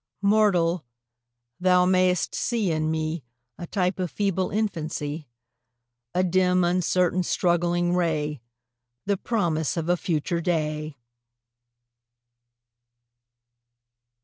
Mortal! thou mayst see in me A type of feeble infancy, A dim, uncertain, struggling ray, The promise of a future day!